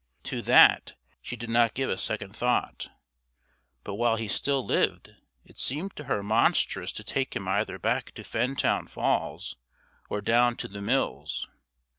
To that she did not give a second thought, but while he still lived it seemed to her monstrous to take him either back to Fentown Falls or down to The Mills.